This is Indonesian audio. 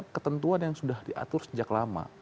ketentuan yang sudah diatur sejak lama